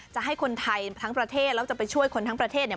จะให้คนไทยทั้งประเทศแล้วจะไปช่วยคนทั้งประเทศเนี่ย